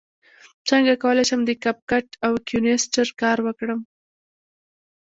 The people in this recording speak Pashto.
څنګه کولی شم د کپ کټ او کینوسټر کار وکړم